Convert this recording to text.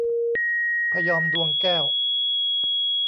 พะยอม ดวงแก้ว